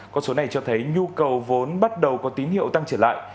con số này cho thấy nhu cầu vốn bắt đầu có tín hiệu tăng trở lại